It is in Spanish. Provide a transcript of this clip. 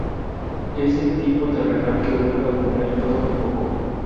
Es el tipo terrenal que vuelve a poner todo en foco.